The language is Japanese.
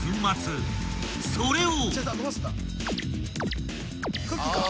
［それを］